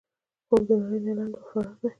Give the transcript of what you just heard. خوب د نړۍ نه لنډ وخت فرار دی